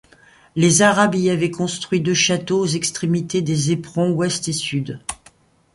Les arabes y avaient construit deux châteaux aux extrémités des éperons ouest et sud.